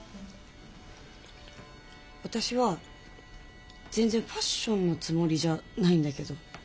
私は全然ファッションのつもりじゃないんだけど。